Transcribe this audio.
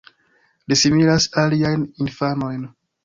Li similas aliajn infanojn.